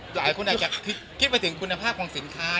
หลายคนอาจจะคิดไปถึงคุณภาพของสินค้า